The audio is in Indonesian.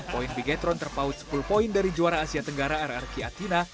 poin bigetron terpaut sepuluh poin dari juara asia tenggara rrq atina